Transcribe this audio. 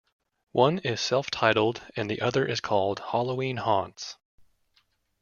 One is self-titled and the other is called "Halloween Haunts".